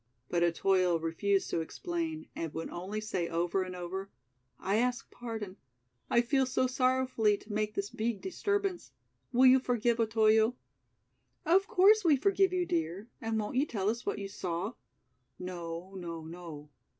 But Otoyo refused to explain and would only say over and over: "I ask pardon. I feel so sorrowfully to make this beeg disturbance. Will you forgive Otoyo?" "Of course we forgive you, dear. And won't you tell us what you saw?" "No, no, no.